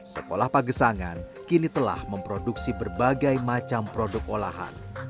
sekolah pagesangan kini telah memproduksi berbagai macam produk olahan